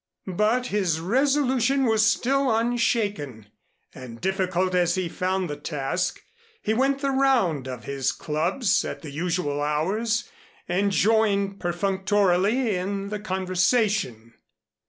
But his resolution was still unshaken, and difficult as he found the task, he went the round of his clubs at the usual hours and joined perfunctorily in the conversation.